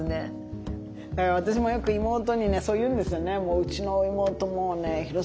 だから私もよく妹にそう言うんですよね。